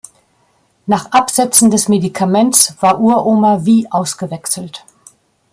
Nach Absetzen des Medikaments war Uroma wie ausgewechselt.